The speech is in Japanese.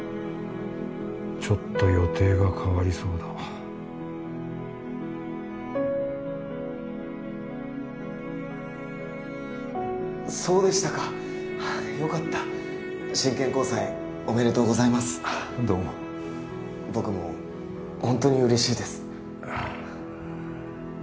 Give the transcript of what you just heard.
ちょっと予定が変わりそうだそうでしたかよかった真剣交際おめでとうございますああどうも僕もほんとに嬉しいですああ